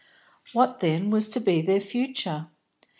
What, then, was to be their future?